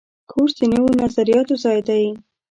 کورس د نویو نظریاتو ځای دی.